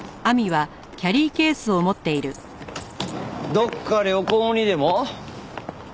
どっか旅行にでも？